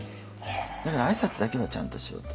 だから挨拶だけはちゃんとしようと思って。